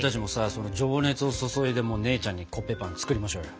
その情熱を注いで姉ちゃんにコッペパン作りましょうよ。